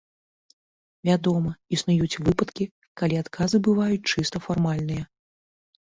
Вядома, існуюць выпадкі, калі адказы бываюць чыста фармальныя.